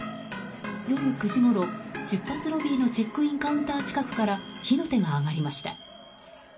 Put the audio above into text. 夜９時ごろ、出発ロビーのチェックインカウンター近くから火の手が上がりました。